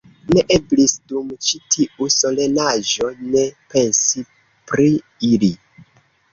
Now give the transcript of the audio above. Ne eblis dum ĉi tiu solenaĵo ne pensi pri ili.